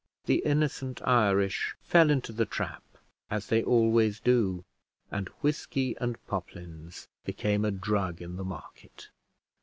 The innocent Irish fell into the trap as they always do, and whiskey and poplins became a drug in the market.